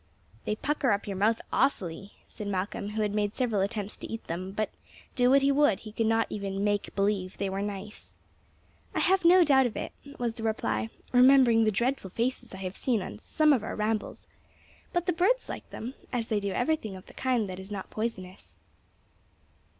"They pucker up your mouth awfully," said Malcolm, who had made several attempts to eat them; but, do what he would, he could not even "make believe" they were nice. "I have no doubt of it," was the reply, "remembering the dreadful faces I have seen on some of our rambles. But the birds like them, as they do everything of the kind that is not poisonous."